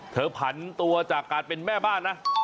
ผันตัวจากการเป็นแม่บ้านนะ